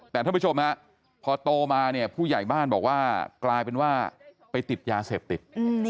แต่ท่านผู้ชมฮะพอโตมาเนี่ยผู้ใหญ่บ้านบอกว่ากลายเป็นว่าไปติดยาเสพติด